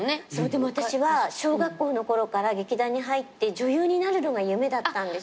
でも私は小学校のころから劇団に入って女優になるのが夢だったんです。